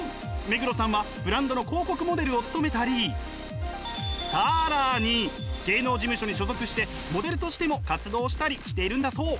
目黒さんはブランドの広告モデルを務めたり更に芸能事務所に所属してモデルとしても活動したりしているんだそう。